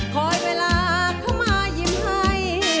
คอยเวลาเข้ามายิ้มให้